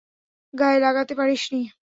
গায়ে লাগাতে পারিসনি!